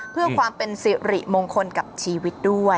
เพื่อความเป็นสิริมงคลกับชีวิตด้วย